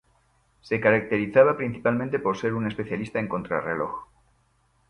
Se caracterizaba principalmente por ser un especialista en contrarreloj.